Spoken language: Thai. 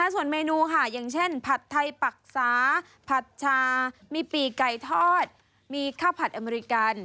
ส่วนเมนูค่ะอย่างเช่นผัดไทยปักสาผัดชามีปีกไก่ทอดมีข้าวผัดอเมริกัน